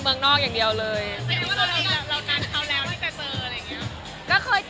เต็มตั้งแต่เดือนที่แล้ว